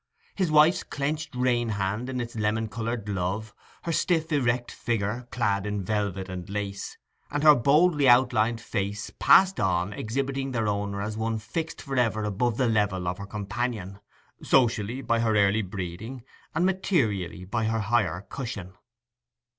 His wife's clenched rein hand in its lemon coloured glove, her stiff erect figure, clad in velvet and lace, and her boldly outlined face, passed on, exhibiting their owner as one fixed for ever above the level of her companion—socially by her early breeding, and materially by her higher cushion.